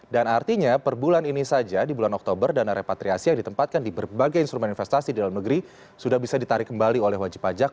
dan artinya per bulan ini saja di bulan oktober dana repatriasi yang ditempatkan di berbagai instrumen investasi di dalam negeri sudah bisa ditarik kembali oleh wajib pajak